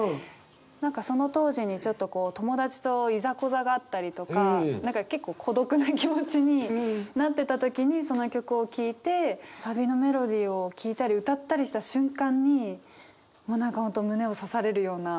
何かその当時にちょっとこう友達といざこざがあったりとか何か結構孤独な気持ちになってた時にその曲を聴いてサビのメロディーを聴いたり歌ったりした瞬間にもう何か本当胸を刺されるような。